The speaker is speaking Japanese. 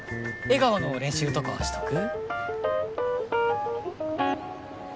笑顔の練習とかしとく？